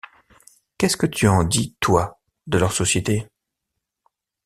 Qu’est-ce que tu en dis, toi, de leur société ?